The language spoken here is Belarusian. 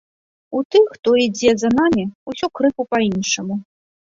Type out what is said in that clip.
У тых, хто ідзе за намі, усё крыху па-іншаму.